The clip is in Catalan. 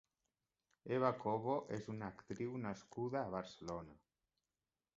Eva Cobo és una actriu nascuda a Barcelona.